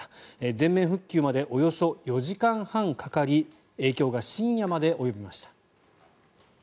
全面復旧までおよそ４時間半かかり影響が深夜まで及びました。